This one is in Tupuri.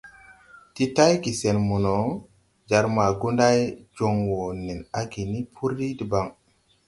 Ti tayge sen mo no, jar ma Goundaye joŋ wo nen áge ni puri debaŋ.